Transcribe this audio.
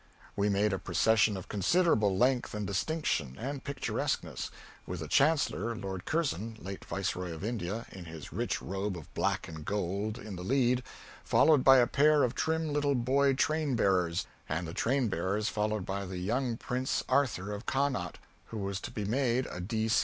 We made a procession of considerable length and distinction and picturesqueness, with the Chancellor, Lord Curzon, late Viceroy of India, in his rich robe of black and gold, in the lead, followed by a pair of trim little boy train bearers, and the train bearers followed by the young Prince Arthur of Connaught, who was to be made a D.